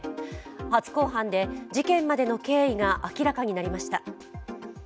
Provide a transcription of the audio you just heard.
初公判で事件までの経緯が明らかになりました。